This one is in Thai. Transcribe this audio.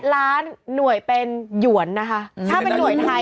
ล้านหน่วยเป็นหยวนนะคะถ้าเป็นหน่วยไทย